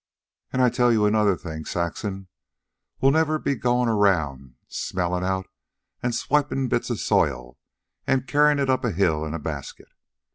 "An' I tell you another thing, Saxon. We'll never be goin' around smellin' out an' swipin' bits of soil an' carryin' it up a hill in a basket.